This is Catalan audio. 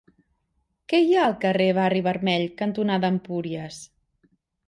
Què hi ha al carrer Barri Vermell cantonada Empúries?